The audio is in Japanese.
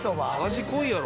「味濃いやろ」